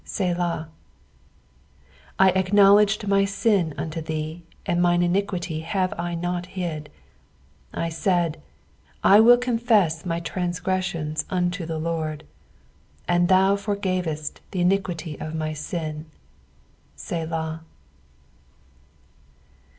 Selah. 5 I acknowledged my sin unto thee, and mine iniquity have I not hid. I said, I will confess my transgressions unto the Lord ; and thou torgavest the iniquity of my sin. Selah.